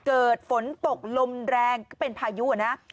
เกิดฝนตกลมแรงก็เป็นพายุนะ